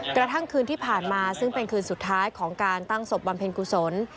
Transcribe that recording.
กระทั่งคืนที่ผ่านมาซึ่งเป็นคืนสุดท้ายของการตั้งศพบำเพ็ญกุศล